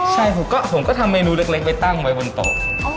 ใช่ผมก็ทำเมนูเล็กไปตั้งไว้บนโต๊ะ